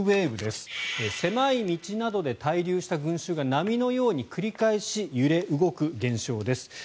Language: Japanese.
狭い道などで滞留した群衆が波のように繰り返し揺れ動く現象です。